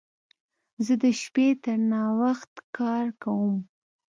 زه د شپې تر ناوخت کار کوم.